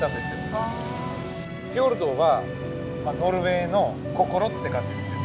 フィヨルドはノルウェーの心って感じですよ。